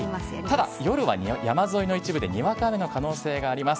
ただ、夜は山沿いの一部で、にわか雨の可能性があります。